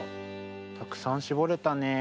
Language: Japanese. たくさんしぼれたね。